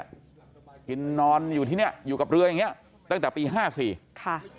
กินนอนอยู่ที่เนี้ยอยู่กับเรืออย่างเงี้ยตั้งแต่ปีห้าสี่ค่ะ